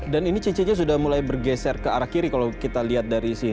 dan ini cincinnya sudah mulai bergeser ke arah kiri kalau kita lihat dari sini